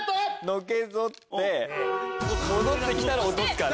のけぞって戻ってきたら落とすから。